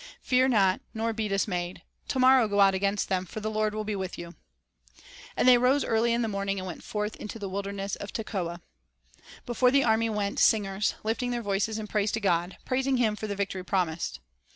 ... Fear not, nor be dismayed ; to morrow go out against them ; for the Lord will be with you." 2 "And they rose early in the morning, and went forth victory into the wilderness of Tekoa." 3 Before the army went singers, lifting their voices in praise to God, — praising Him for the victory promised.